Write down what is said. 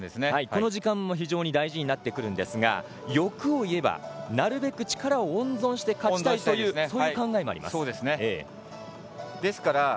この時間も非常に大事になってくるんですが欲を言えばなるべく力を温存して勝ちたいという考えもあります。